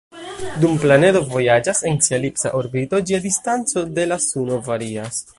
Dum planedo vojaĝas en sia elipsa orbito, ĝia distanco de la suno varias.